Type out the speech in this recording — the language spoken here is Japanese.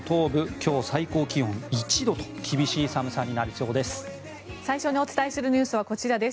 今日、最高気温１度と厳しい寒さになりそうです。